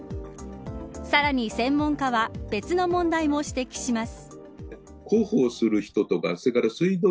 さらに専門家は別の問題も指摘します。